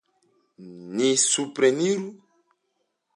Ni supreniru!